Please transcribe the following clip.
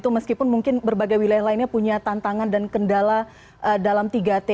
meskipun mungkin berbagai wilayah lainnya punya tantangan dan kendala dalam tiga t